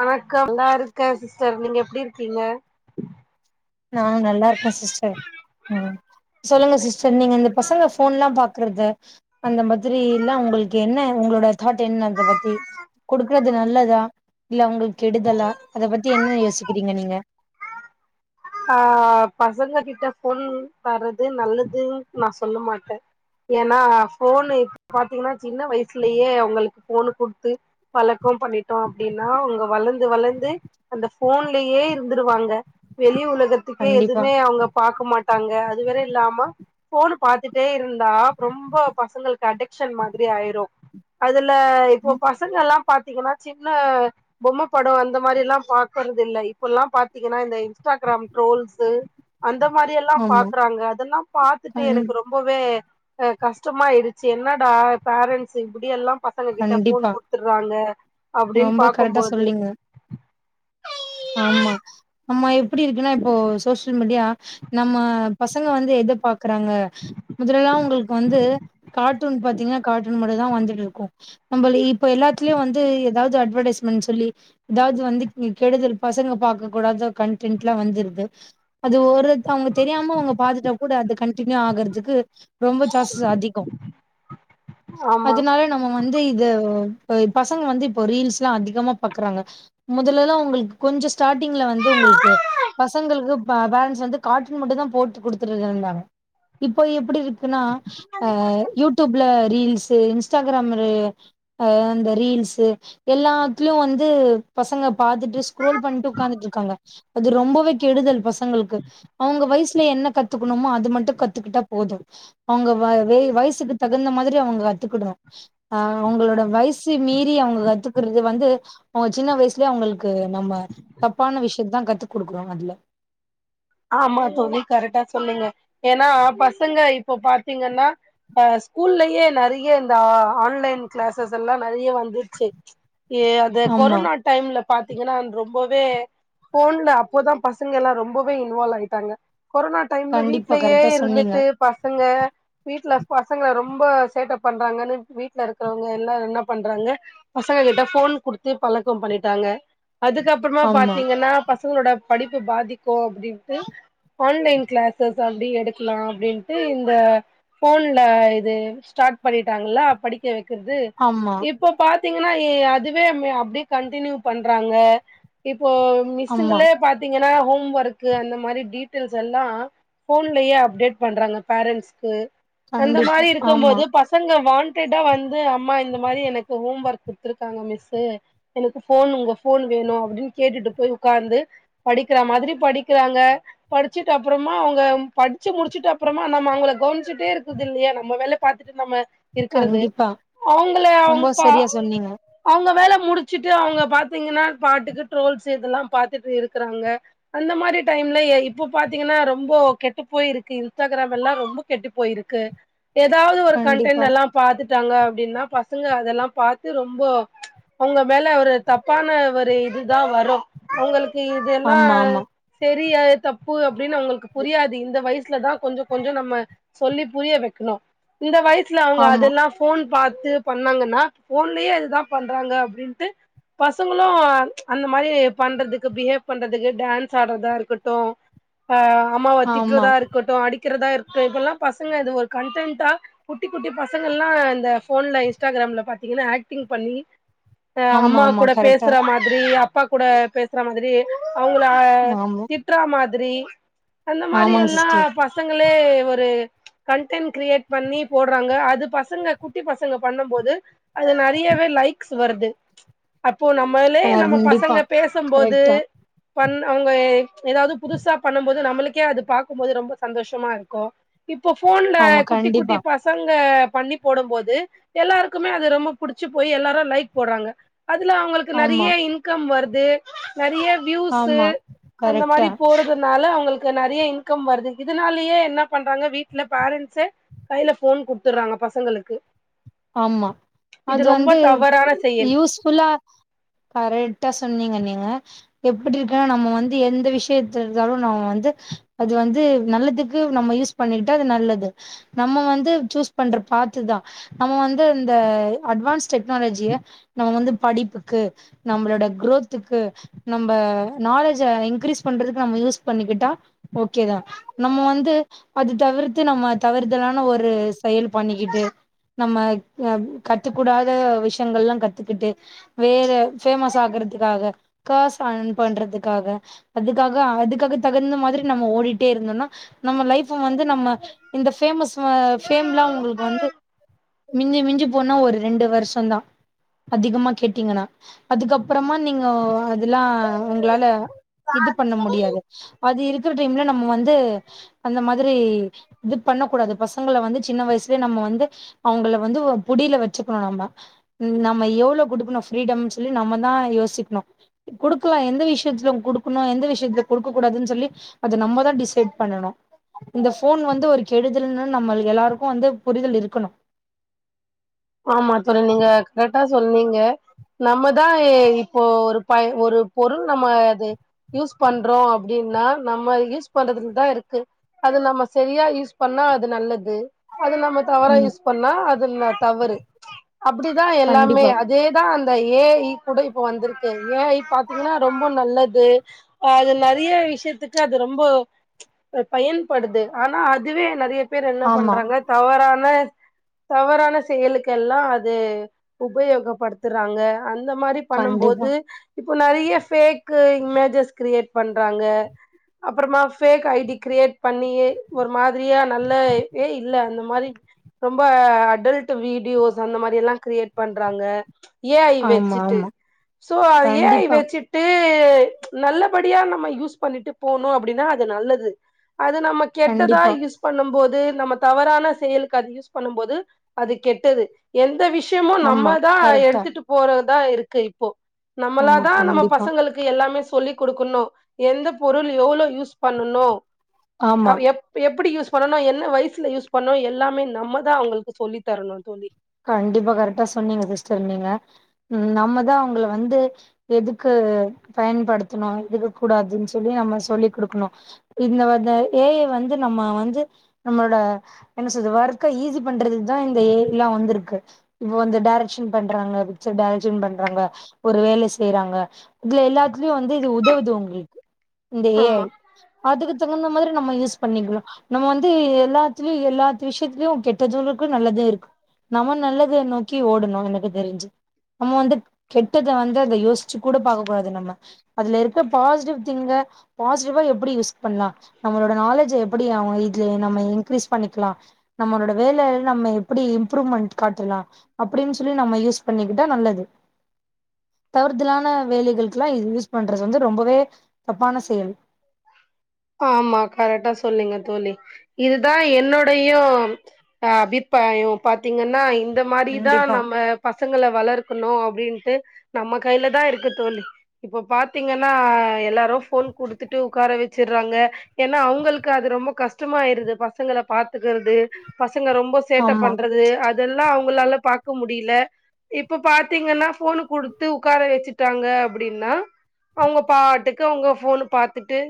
வணக்கம் நல்லா இருக்கே சிஸ்டர் நீங்க எப்டி இருக்கீங்க நா நல்லா இருக்கே சிஸ்டர் ம் சொல்லுங்க சிஸ்டர் நீங்க இந்த பசங்க போன் எல்லா பாக்குறது அந்த மாதிரி எல்லா உங்களுக்கு என்ன உங்களுக்கு உங்களோட தாட்டு என்னன் அத பத்தி கொடுக்குறது நல்லதா இல்ல அவங்களுக்கு கெடுதலா அத பத்தி என்ன யோசி க்கீங்க நீங்க ஆ பசங்க கிட்ட போன் தர்றது நல்லதுன்னு நா சொல்ல மாட்டே ஏன்னா போனு இப்ப பாத்தீங்கன்னா சின்ன வயசுலயே அவங்களுக்கு போனு கொடுத்து வளர்க் பண்ணிட்டோ அப்டின்னா அவங்க வளர்ந்து வளர்ந்து அந்த போன்லயே இருந்துருவாங்க வெளி உலகத்துக்கே கண்டிப்பா எதுமே அவங்க பாக்க மாட்டாங்க அது வேற இல்லாம போன் பாத்துட்டே இருந்தா ரொம்ப பசங்களுக்கு அடிக்ஷன் மாரி ஆயிரு அதுல ல இப்போ பசங்க எல்லா பாத்தீங்கன்னா சின்ன பொம்மை படம் அந்த மாரில்லா பாக்கறது இல்ல இப்பல்லா பாத்தீங்கன்னா இந்த இன்ஸ் இன்ஸ்டாகிராம் ட்ரோல்ஸு அந்த மாரி எல்லா ஆமா பாக்குறாங்க அதெல்லா பாத்துட்டு கண் எனக்கு ரொம்பவே ஹ கஷ்டமாயிடுச்சு என்னடா பேரண்ட்ஸ் இப்படி எல்லா பசங்க கிட்ட போன் கண்டிப்பா குடுத்துறாங்க அப்டின்னு ரொம்ப கரெக்டா பாக்கும்போது சொல்றீங்க ஆமா ஆமா எப்டி இருக்குன்னா இப்போ சோசியல் மீடியா நம்ம பசங்க வந்து எத பாக்குறாங்க முதலெல்லா உங்களுக்கு வந்து கார்ட்டூன் பாத்தீங்கன்னா கார்ட்டூன் மட்டு தான் வந்துட்டு இருக்கு நம்ம இப்ப எல்லா லயு வந்து ஏதாவது அட்வடைஸ்மெண்ட் சொல்லி ஏதாவது வந்து கெடுதல் பசங்க பாக்க கூடாத கன்டென்ட்லா வந்துருது அது ஒரு அவங்க தெரியாம அவங்க பாத்துட்டா கூட அது கன்டினியூ ஆகுறதுக்கு ரொம்ப சான்சஸ் அதிக ஆமா அதனால நம்ம வந்து இத இப்ப பசங்க வந்து இப்ப ரீல்ஸ்ல்லா அதிகமா பாக்குறாங்க முதலல்லா உங்களுக் கொஞ்ச ஸ்டார்ட்டிங்ல வந்து உங்களுக்கு பசங்களுக்கு பேரண்ட்ஸ் வந்து கார்ட்டுன் மட்டு தா போட்டு குடுத்துட்டு இரு இருந்தாங்க இப்ப எப்டி இரு க்னா அ யூடியூப்ல ரீல்ஸு இன்ஸ்டாகிராம் அந்த ரீல்ஸு எல்லாத்துலயு வந்து பசங்க பாத்துட்டு ஸ்க்ரோல் பண்ணிட்டு உட்காந்துட்டு இருக்காங்க அது ரொம்பவே கெடுதல் பசங்களுக்கு அவங்க வயசுல என்ன கத்துக்கணுமோ அது மட்டும் கத்துக்கிட்டா போது அவங்க வயசுக்கு தகுந்த மாதிரி அவங்க கத்துக்கிடுனு ஆ அவங்களோட வயசு மீறி அவங்க கத்துக்கறது வந்து அவங்க சின்ன வயசுலயே அவங்களுக்கு நம்ம தப்பான விஷயத்தா கத்து கொடுக்குறோ அதுல ஆமா தோழி கரெக்டா சொன்னீங்க ஏன்னா பசங்க இப்போ பாத்தீங்கன்னா அ ஸ்கூல்லயே நறைய இந்த ஆன்லைன் கிளாஸஸ் எல்லா நறைய வந்துருச்சு ஏ அது ஆமா கொரோனா டைம்ல பாத்தீங்கன்னா ரொம்பவே போன்ல அப்போதா பசங்க எல்லா ரொம்பவே இன்வால்வ் ஆயிட்டாங்க கொரோனா டைம்ல கண்டிப்பா வீட்லயே கரெக்டா சொன்னீங்க இருந்துட்டு பசங்க வீட்ல பசங்கல ரொம்ப சேட்டப் பண்றாங்கன்னு வீட்ல இருக்கறவங்க எல்லாரு என்ன பண்றாங்க பசங்க கிட்ட போன் கொடுத்து பழக்கம் பண்ணிட்டாங்க அதுக்கப்புறமா ஆமா பாத்தீங்கன்னா பசங்களோட படிப்பு பாதிக் க்கு அப்டின்ட்டு ஆன்லைன் கிளாசஸ் அப்டி எடுக்கலா அப்டின்ட்டு இந்த போன்ல இது ஸ்டார்ட் பண்ணிட்டாங்கள படிக்க வைக்கிறது ஆமா இப்போ பா பாத்தீங்கன்னா அதுவே அப்டியே கண்டினியூ பண்றாங்க இப்ப ஆமா மிஸ்ஸுங்களே பாத்தீங்கன்னா ஹோம் ஒர்க் அந்த மாதிரி டீட்டெய்ல்ஸ் எல்லா போன்லயே அப்டேட் பண்றாங்க பேரண்ட்ஸ்கு அந்த கண்டிப்பா மாரி இருக்கு ஆமா போது பசங்க வான் டடா வந்து அம்மா இந்த மாரி எனக்கு ஹோம் ஒர்க் கொடுத்துருக்காங்க மிஸ்ஸு எனக்கு ஃபோன் உங்க ஃபோன் வேணு அப்டின்னு கேட்டுட்டு போய் உக்காந்து படிக்கற மாதிரி படிக்கறாங்க படிச்சுட்டு அப்புறமா அவுங்க படிச்சு முடிச்சுட்டு அப்பறமா நம்ம அவுங்கள கவனிச்சிட்டே இருக்கு இல்லையா நம்ம வேல பாத்துட்டு நம்ம இருக்கறது கண்டிப்பா அவுங்கள ரொம்ப அவுங் சரியா சொன்னீங்க அவங்க வேல முடிச்சுட்டு அவுங்க பாத்தீங்கன்னா பாட்டுக்கு ட்ரோல்ஸ் இதெல்லா பாத்துட்டு இருக்கறாங்க அந்த மாரி டைம்ல இப்போ பாத்தீங்கன்னா ரொம்ப கெட்டு போயிருக்கு இன்ஸ்டாகிராம் எல்லா ரொம்ப கெட்டு போயிருக் கு எதாவது ஒரு கண்டிப்பா கண்டடென்ட் எல்லா பாத்துட்டு ட்டாங்க அப்டின்னா பசங்க அதெல்லா பாத்து ரொம்போ ஒங்க மேல ஒரு தப்பான ஒரு இதுதா வரு ஒங்களுக்கு இதெல்லா ஆமா ஆமா பெரிய தப்பு அப்டின்னு அவுங்களுக்கு புரியாது இந்த வயசுலதா கொஞ்சோ கொஞ்சோ நம்ம சொல்லி புரிய வெக்கணு இந்த வயசுல அவுங்க ஆமா அதெல்லா ஃபோன் பாத்து பண்ணாங்கன்னா போன்லயே இதுதா பண்றாங்க அப்டின்ட்டு பசங்களு அந்த மாரி பண்றதுக்கு பிஹேவ் பண்றதுக்கு டான்ஸ் சாடறதா இருக்கட்டு அஹ் அம்மாவ ஆமா திட்றதா இருக்கட்டு அடிக் க்கரதா இருக்கு இப்பல்லா பசங்க இது ஒரு கண்டடென்டா குட்டி குட்டி பசங்க எல்லா இந்த போன்ல இன்ஸ்டாகிரா பாத்தீங்கன்னா ஆக்டிங் பண்ணி அ ஆமா அம்மா ஆமா கூட கரெக்டா பேசற மாதிரி அப்பா கூட பேசற மாதிரி அவுங்கள ஆமா திட்ற மாதிரி அந்த மாரி ஆமாங்க எல்லா சிஸ்டர் பசங்களே ஒரு கண்டன் கிரியேட் பண்ணி போடுறாங்க அது பசங்க குட்டி பசங்க பண்ண போது அது நெறயவே லைக்ஸ் வருது இப்போ நம்மளே நம்ம கண்டிப்பா பசங்க பேசபோது கரெக்டா பண் அவுங்க எதாவது புதுசா பண்ணம் போது நம்மளுக்கே அது பாக்கும்போது ரொம்ப சந்தோஷமா இருக்கு இப்போ ஃபோன்ல ஆமா குட்டி குட்டி கண்டிப்பா பசங்க பண்ணி போட போது எல்லாருக்குமே அது ரொம்ப புடிச்சு போய் எல்லாரு லைக் போட்றாங்க அதுல அவுங்களுக்கு நெறைய ஆமா இன்கம் வருது நெறைய வியூஸு ஆமா அந்த மாரி கரெக்டா போறதுனா னால அவுங்களுக்கு நெறைய இன்கம் வருது இதனாலயே என்ன பண்றாங்க வீட்ல பேரன்ஸு கைல ஃபோன் குடுத்துட்றாங்க பசங்களுக்கு ஆமா இது அது ரொம்ப வந்து தவறான செயல் யூஸ்ஃபுல்லா கரெட்டா சொன்னீங்க நீங்க எப்டி இருக்கன்னா நம்ம வந்து எந்த விஷயத்த இருந்தாலு நம்ம வந்து அது வந்து நல்லதுக்கு நம்ம யூஸ் பண்ணிட்டு அது நல்லது நம்ம வந்து சூஸ் பண்ற பாத்துதா நம்ம வந்து இந்த அட்வான்ஸ் டெக்னாலஜிய நம்ம வந்து படிப்புக்கு நம்மளோட குரு குரோதுக்கு நம்ம நாலேஜ இன்கிரீஸ் பண்றதுக்கு நம்ம யூஸ் பண்ணிக்கிட்டா ஓகே தா நம்ம வந்து அது தவிர்த்து நம்ம தவறுதலான ஒரு செயல் பண்ணிக்கிட்டு நம்ம கத்துக்கூடாத விஷயங்கள்லா கத்துக்கிட்டு வேற ஃபேமஸ் ஆகுறது க்காக காச அன் பண்றதுக்காக அதுக்காக அதுக்காக தகுந்த மாதிரி நம்ம ஓடிட்டே இருந்தோனா நம்ம லைப் வந்து நம்ம இந்த ஃபேமஸ் ஃபேம்லா அவுங்ளுக்கு வந்து மிஞ்சி மிஞ்சி போனா ஒரு ரெண்டு வருஷோ தா அதிகமா கேட்டீங்கன்னா அதுக்கப்பறமா நீங்க அதெல்லா உங்களால இது பண்ண முடியாது அது இருக்கற டைம்ல நம்ம வந்து அந்த மாதிரி இது பண்ணக்கூடாது பசங்கள வந்து சின்ன வயசுலே நம்ம வந்து அவுங்கள வந்து புடில வச்சுக்கணு நம்ம நம்ம எவ்ளோ குடுக்கணு ஃபிரிடம் சொல்லி நம்மதா யோசிக்கணு குடுக்கலா எந்த விஷயத்துல குடுக்குணு எந்த விஷயத்துல குடுக்க கூடாதுனு சொல்லி அத நம்ம தா டிசைட் பண்ணனு இந்த ஃபோன் வந்து ஒரு கெடுதல் நம்மள் எல்லாருக்கு வந்து புரிதல் இருக்கணு ஆமா தோழி நீங்க கரெட்டா சொன்னீங்க நம்மதான் இப்போ ஒரு பயன் ஒரு பொருள் நம்ம அது யூஸ் பண்றோம் அப்படின் நா நம்ம யூஸ் பண்றதுலதான் இருக்கு அது நம்ம சரியா யூஸ் பண்ணா அது நல்லது அது நம்ம தவற ம் யூஸ் பண்ணா அது தவறு அப்டிதான் எல்லாமே கண்டிப்பா அதேதான் அந்த ஏ ஐ கூட இப்ப வந்திருக்கு ஏ ஐ பாத்தீங்கன்னா ரொம்ப நல்லது அது நெறைய விஷயத்துக்கு அது ரொம்ப பயன்படுது ஆனா அதுவே நிறைய பேர் என்ன ஆமா பண்றாங்க தவறான தவறான செயலுக்க எல்லாம் அது உபயோகப்படுத்துறாங்க அந்த மாரி கண்டிப்பா பண்ணும்போது இப்போ நெறைய ஃபேக் இமேஜஸ் கிரியேட் பண்றாங்க அப்புறமா ஃபேக் ஐ டி கிரியேட் பண்ணியே ஒரு மாதிரியா நல்லவே இல்ல அந்த மா மாரி ரொம்ப அடல்ட் வீடியோஸ் அந்த மாதிரிலாம் கிரியேட் பண்றாங்க ஏ ஐ ஆமா வச்சுட்டு ஆமா சோ ஏ ஐ கண்டிப்பா வச்சுட்டு நல்லபடியா நம்ம யூஸ் பண்ணிட்டு போனோம் அப்படின்னா அது நல்லது அது நம்ம கெட்டதா கண்டிப்பா. யூஸ் பண்ணும் போது நம்ம தவறான செயலுக்கு அது யூஸ் பண்ணும் போது அது கெட்டது எந்த விஷயமும் ஆமா. நம்மதான் கரெக்ட்டா. எடுத்துட்டு போறதுதான் இருக்கு இப்போ நம்மளா ஆமா. தான் நம்ம கண்டிப்பா. பசங்களுக்கு எல்லாமே சொல்லி் கொடுக்கணும் எந்த பொருள் எவ்ளவு யூஸ் பண்ணணும் ஆமா. அது எப்படி யூஸ் பண்ணனும் என்ன வயசுல யூஸ் பண்ணும் எல்லாமே நம்ம தான் அவங்களுக்கு சொல்லி தரன்னு தோழி கண்டிப்பா கரெக்டா சொன்னீங்க சிஸ்டர் நீங்க நம்மதான் அவங்கள வந்து எதுக்கு பயன்படுத்தணும் இருதுக்க கூடாதுன்னு சொல்லி நம்ம சொல்லிக் கொடுக்கணும் இந்த வ ஏ வந்து நம்ம வந்து நம்மளோட என்ன சொல்லறது ஒர்க்க ஈசி பண்றது தான் இந்த ஏ ஐ ல வந்து இருக்கு வந்து டைரக்க்ஷன் பண்றாங்க பிக்சர் டைரக்க்ஷன் பண்றாங்க ஒரு வேலை செய்யறாங்க இதுல எல்லாத்துலயும் வந்து இது உதவுது உங்களுக்கு இந்த ஏ ஐ ஆமா அதுக்கு தகுந்த மாதிரி நம்ம யூஸ் பண்ணிக்கலாம் நம்ம வந்து எல்லாத்துலயும் எல்லா விஷயத்தலயும் கெட்டது இருக்கு நல்லது இருக்கு நம்ம நல்லது நோக்கி ஓடணும் எனக்கு தெரிஞ்சு நம்ம வந்து கெட்டத வந்து அதை யோசிச்சு கூட பாக்க கூடாது நம்ம அதுல இருக்க பாசிட்டிவ் திங் க பாசிட்டிவா எப்படி யூஸ் பண்ணலாம் நம்மளோட நாலேஜ எப்படி அவங்க இதுல நம்ம இன்கிரீஸ் பண்ணிக்கலாம் நம்மளோட வேலை நம்ம எப்படி இம்ப்ரூவ்மெண்ட் காட்டலாம் அப்படின்னு சொல்லி நம்ம யூஸ் பண்ணிக்கிட்டா நல்லது தவறுதலான வேலைகளுக்கெ ல்லாம் இது யூஸ் பண்றது வந்து ரொம்பவே தப்பான செயல் [inaudible] ஆமா கரெக்டா சொன்னிங்க தோலி இதுதான் என்னுோடையும் ஹ அபி ப்ராயம் பாத்தீங்கன்னா இந்த மாதிரிதான் கண்டிப்பா நம்ம பசங்களை வளர்க் க்கனும் அப்படின்ட்டு நம்ம கையில தான் இருக்கு தோலி இப்ப பாத்தீங்கன்னா எல்லாரும் போன் குடு த்துட்டு உட்கார வச்சறாங்க ஏன்னா அவங்களுக்கு அது ரொம்ப கஷ்டமாயிடுது பசங்களை பாத்துக்கறது ப சங்க ரொம்ப சேட்டை ஆமா பண்றது அதெல்லாம் அவங்களால பாக்க முடியல இப்ப பாத்தீங்கன்னா போனு கொடுத்து உக்கார வச்சுட்டாங்க அப்படின்னா அவங்க பாட்டுக்கு அவங்க போனு ப டுத்துட்டு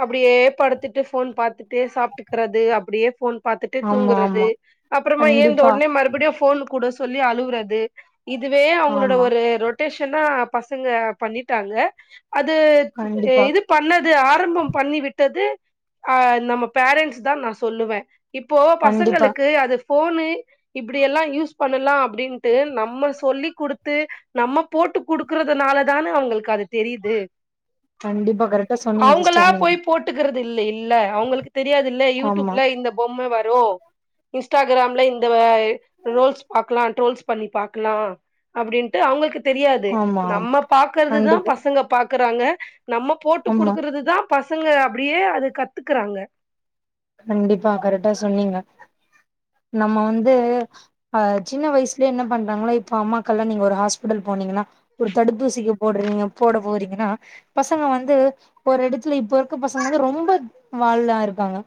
அப்படியே படுத்துட்டு போன் பத்துட்டே சாப்பிட்டுக்கிறது அப்படியே போன் பாத்துட்டு ஆமா தூங்குறது ஆமா அப்புறமா ஏந்த கண்டிப்பா உடனே மறுபடியு போன் கூடு சொல்லி அழுவுறது இதுவே அவங்களோட ஆமா ஒரு ரொட்டேஷனா பசங்க பண்ணிட்டாங்க அது கண்டிப்பா இது பன்னது ஆரம்பம் பண்ணி விட்டது அஹ் நம்ம பேரண்ட்ஸ் தான் நான் சொல்லுவேன் இப்போ கண்டிப்பா பசங்களுக்கு அது போனு இப்டில்லாம் யூஸ் பண்ணலாம் அப்படின்ட்டு நம்ம சொல்லிக் கொடுத்து நம்ம போட்டு போட்டு குடுக்கறதுனால தானே அவங்களுக்கு அது தெரியுது கண்டிப்பா கரெக்டா சொன்னீங்க அவங்களா சிஸ்டர் நீங்க போய் போட்டுக்கிறது இல்லை இல்ல அவங்களுக்கு தெரியாது இல்ல ஆமா யூடியூப்ல இந்த பொம்மை வ [inaudible] இன்ஸ்டாகிராம்ல இந்த ரோல்ஸ் பாக்கலாம் ட்ரோல்ஸ் பண்ணி பாக்கலா அப்படின்ட்டு அவங்களுக்கு தெரியாது ஆமா ஆமா நம்ம பாக்கறது தா கண்டிப்பா பசங்க பாக்குறாங்க நம்ம போட்டு ஆமா கொடுக்கறது தா பசங்க அப்டியே அது கத்துக்குறாங்க கண்டிப்பா கரெக்டா சொன்னீங்க [inaudible] நம்ம வந்து அ சின்ன வயசுலயே என்ன பண்றாங்களோ இப்ப அம்மாக்கல்லா நீங்க ஒரு ஹாஸ்பிடல் போனீங்கன்னா ஒரு தடுப்பூசிக்கு போட்றிங்க போட போறீங்கன்னா பசங்க வந்து ஒரு எடத்துல இப்ப இருக்க பசங்க ரொம்ப வால்லா இருப்பாங்க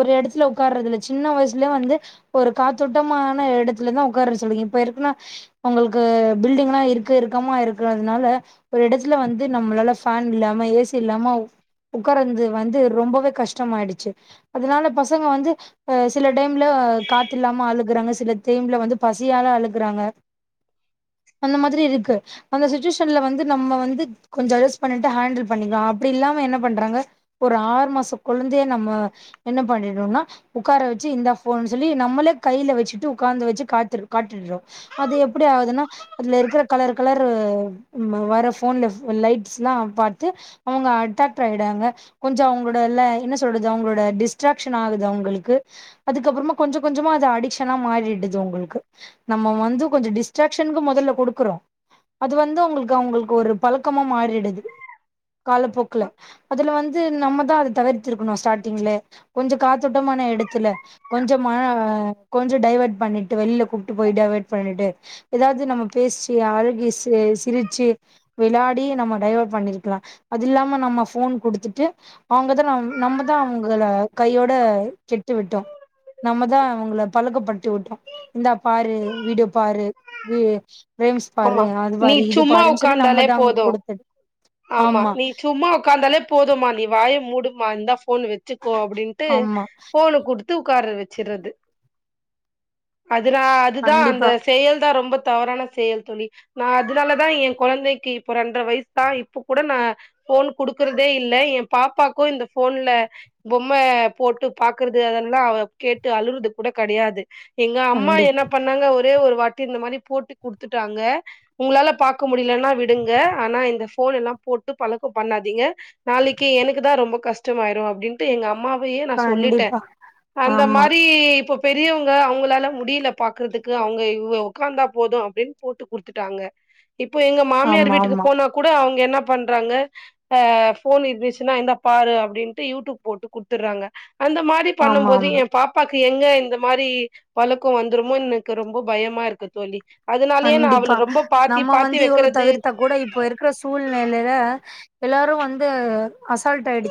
ஒரு எடத்துல உட்கார்றதில்ல சின்ன வயசுலயே வந்து ஒரு காத்தோட்டமான எடத்துல தா உட்கார்ற சொல்லீன் இப்ப இருக்குனா உங்களுக்கு பில்டிங்ல்லா இருக்கு இருக்கமா இருக்குதுனால ஒரு எடத்துல வந்து நம் நம்மளால ஃபேன் இல்லாம ஏசி இல்லாம உக்காரத் வந்து வந்து ரொம்பவே கஷ்டமாயிடுச்சு அதனால பசங்க வந்து அ சில டைம்ல காத்து இல்லாம ஆழுகுறாங்க சில டைம்ல வந்து பசியால அழுகுறாங்க அந்த மாதிரி இருக்கு அந்த சிட்ஷுவேஷன்ல வந்து நம்ம வந்து கொஞ்ச அட்ஜஸ் பண்ணிட்டு ஹேண்டில் பண்ணிக்கலா அப்டிலாம் என்ன பண்றாங்க ஒரு ஆறு மாச குழந்தைய நம்ம என்ன பண்ணிடும்னா உட்கார வச்சு இந்தா போன்னு சொல்லி நம்மளே கையில வச்சிட்டு உட்கார்ந்து வச்சு காத்து அது எப்டி ஆகுதுன்னா அதுல இருக்கிற கலர் கலர் வர போன்ல லைட் பாத்து அவங்க அட்ராக்ட் ஆய்ட்றாங்க கொஞ்ச அவங்களோடல்ல என்ன சொல்றது அவங்களோட டிஸ் அட்ராக்ஷனாவுது அவங்களுக்கு அதுக்கப்புறமா கொஞ்ச கொஞ்சமா அது அடிக்ஷன்னா அ மாறிடுது உங்களுக்கு நம் நம்ம வந்து கொஞ்ச டிஸ்ட்ராகஷனுக்கு முதல்ல கொடுக்குறோ அது வந்து அவங்களுக்கு அவங்களுக்கு ஒரு பழக்கமா மாறிடுது காலப்போக்குல அதுல வந்து நம்மதா அத தவிர்த்திருக்கணு ஸ்டார்ட்டிங்ல கொஞ்ச காத்தோட்டமான எடத்துல கொஞ்ச காத்தோடமான எடத்துல கொஞ்ச டைவேர்ட் பண்ணிட்டு வெளியில கூப்ட்டு போயட்டு டைவர்ட் பண்ணிட்டு எதாவது நம்ம பேசி அழுகி சிரிச்சு வெளாடி நம்ம டய வர்ட் பண்ணிருக்கலா அது இல்லாம நம்ம போன் கொடுத்துட்டு அவங்கதா நம் நம்ம தா அவங்கல கையோட கெட்டு விட்டோ நம்மதா அவங்கள பழுக்கப்படுத்தி விட்டோ இந்தா பாரு வீடியோ பாரு வ வேம்ஸ் பாரு ஆமா அது நீ பாரு இது சும்மா பாருன்னு சொல்லி உக்காந்தாலே நம்மதா அங் போது கொடுத் ஆமா நீ சும்மா உக்காந்தாலே போதுமா நீ வாய மூடுமா இந்தா போன் வச்சு க்கோ அப்டின்ட்டு ஆமா போனு கொடுத்து உட்கார வச்சடுறது அதுன அதுதா அந்த கண்டிப்பா செயல் தா ரொம்ப தவறான செயல் தோழி நா அதனால தா என் குழந்தைக்கு இப்ப ரெண்டரை வயசு தா இப்ப இப்ப கூட நா போன் கொடுக்கறதே இல்ல எ பாப்பாக்கு இந்த போன்ல பொம்மை போட் போட்டு பாக்குறது அதெல்லா கேட்டு அழுறது கூட கடையாது எங்க அம்மா கண்டிப் என்ன பண்ணாங்க ஒரு ஒரு வாட்டி இந்த மாதிரி போட்டு கொடுத்துட்டாங்க உங்களால பார்க்க முடியலன்னா விடுங்க ஆனா இந்த போன் எல்லாம் போட்டு பழக்கம் பண்ணாதீங்க நாளைக்கே எனக்கு தான் ரொம்ப கஷ்டமாயிரு அப்டின்ட்டு எங்க அம்மாவ நா சொல்லிட்டே கண்டிப்பா அந்த ஆமா மாரி இப்ப பெரியவங்க அவங்களால முடியல பாக்குறதுக்கு அவங்க இவ உ்காந்தா போது அப்டின்னு போட்டு குடுத்துட்டாங்க இப்போ எங்க மாமியார் ஆமா வீட்டுக்கு ஆமா போனா கூட அவங்க என்ன பண்றாங்க ஆ போன் இருந்துச்சுன்னா இந்த பாரு அப்டின்ட்டு யூடியூப் போட்டு குடுத்துடுறாங்க அந்த மாரி பண்ணும் ஆமா போது ஆமா எ பாப்பாக் கு எங்க இந்த மாரி பழக்க வந்துருமோ எனக்கு ரொம்ப பயமா இருக்கு தோழி அதனாலயே நா கண்டிப்பா அவள ரொம்ப பாத்தி நம்ம பாத்தி வந்து இவ்ள வைக்கறது தவிர்த்தா கூட இப்ப இருக்கிற சூ சூழ்நிலைல எல்லாரு வந்து அசால்ட் ஆயிடுச்சு